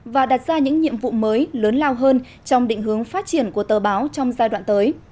và đặt ra những nhiệm vụ mới lớn lao hơn trong định hướng phát triển của tờ báo trong giai đoạn tới